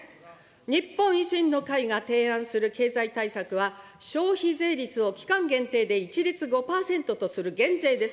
日本維新の会が提案する経済対策は、消費税率を期間限定で一律５％とする減税です。